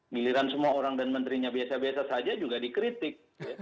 giliran semua orang dan menterinya biasa biasa saja juga dikritik